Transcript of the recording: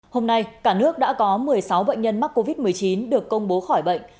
hôm nay cả nước đã có một mươi sáu bệnh nhân mắc covid một mươi chín được công bố khỏi bệnh